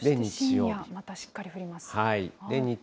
またしっかり降ります。